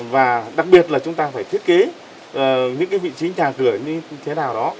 và đặc biệt là chúng ta phải thiết kế những cái vị trí nhà cửa như thế nào đó